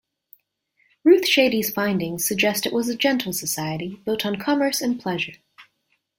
Ruth Shady's findings suggest it was a gentle society, built on commerce and pleasure.